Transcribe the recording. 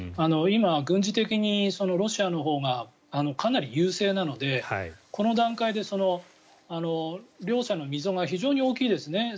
今、軍事的にロシアのほうがかなり優勢なのでこの段階で両者の溝が非常に大きいですね。